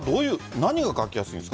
何が書きやすいんですか？